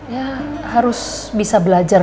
ya harus bisa belajar